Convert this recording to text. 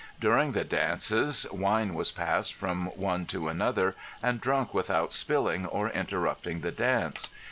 During the dances wine was passed from one to another and drunk without spilling or interrupting the dance.